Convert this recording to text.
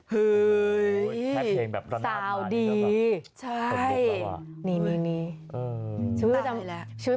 เห้ยแค่เพลงแบบสาวดีใช่นี่นี่นี่อืมชีวิตจำชีวิต